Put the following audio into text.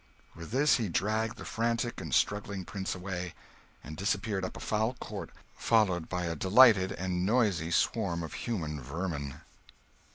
With this he dragged the frantic and struggling prince away, and disappeared up a front court followed by a delighted and noisy swarm of human vermin.